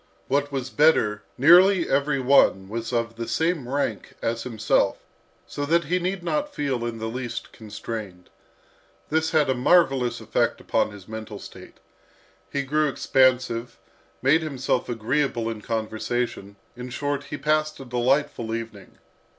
What was better, nearly every one was of the same rank as himself, so that he need not feel in the least constrained. This had a marvellous effect upon his mental state. He grew expansive, made himself agreeable in conversation, in short, he passed a delightful evening.